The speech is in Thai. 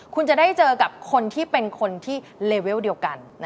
คุณจะได้เจอกับคนที่เป็นคนที่เลเวลเดียวกัน